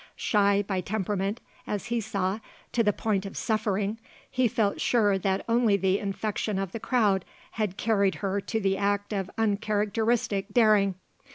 Shy, by temperament, as he saw, to the point of suffering, he felt sure that only the infection of the crowd had carried her to the act of uncharacteristic daring.